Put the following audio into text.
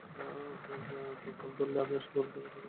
Call ধরলে কি আশেপাশে তাকানো যায় না?